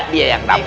dia yang nampak